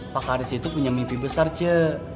pak haris itu punya mimpi besar ce